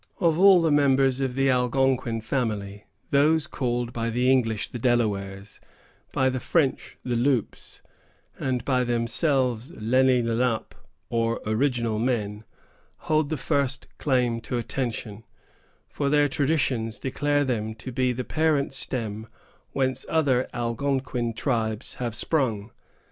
Of all the members of the Algonquin family, those called by the English the Delawares, by the French the Loups, and by themselves Lenni Lenape, or Original Men, hold the first claim to attention; for their traditions declare them to be the parent stem whence other Algonquin tribes have sprung.